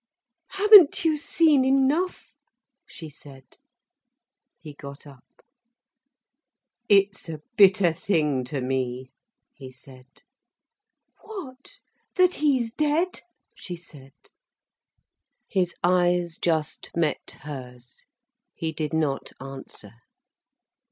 "Haven't you seen enough?" she said. He got up. "It's a bitter thing to me," he said. "What—that he's dead?" she said. His eyes just met hers. He did not answer.